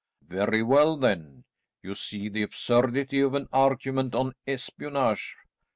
"Very well then. You see the absurdity of an argument on espionage.